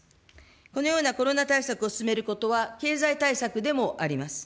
このようなコロナ対策を進めることは、経済対策でもあります。